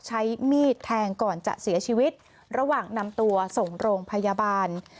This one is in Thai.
ใช้มีดแทงก่อนจะเสียชีวิตระหว่างนำตัวส่งโรงพยาบาล